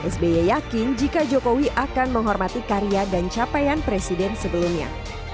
sby yakin jika jokowi akan menghormati karya dan capaian presiden sebelumnya